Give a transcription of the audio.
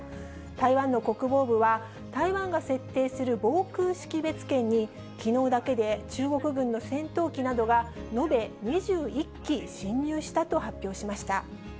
台湾の国防部は、台湾が設定する防空識別圏にきのうだけで中国軍の戦闘機などが延べ２１機進入したと発表しました。